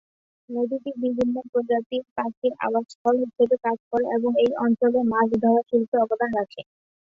নদীটি বিভিন্ন প্রজাতির পাখির আবাসস্থল হিসাবে কাজ করে এবং এই অঞ্চলে মাছ ধরা শিল্পে অবদান রাখে।